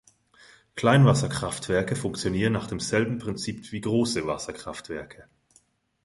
Kleinwasserkraftwerke funktionieren nach demselben Prinzip wie große Wasserkraftwerke.